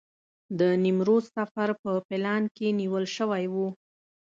د نیمروز سفر په پلان کې نیول شوی و.